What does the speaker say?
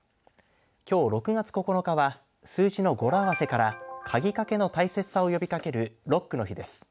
きょう６月９日は数字の語呂合わせから鍵かけの大切さを呼びかけるロックの日です。